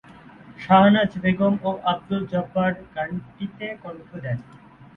শাহনাজ বেগম ও আব্দুল জব্বার গানটিতে কণ্ঠ দেন।